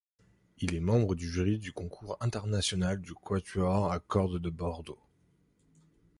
Il est membre du jury du concours international de quatuor à cordes de Bordeaux.